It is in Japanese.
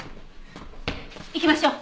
行きましょう。